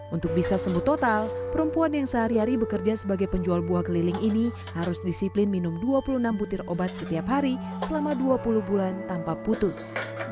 untuk bisa sembuh total perempuan yang sehari hari bekerja sebagai penjual buah keliling ini harus disiplin minum dua puluh enam butir obat setiap hari selama dua puluh bulan tanpa putus